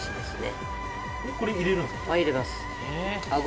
これ入れるんですか？